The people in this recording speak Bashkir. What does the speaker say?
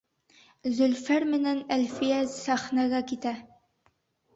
Зөлфәр менән Әлфиә сәхнәгә китә.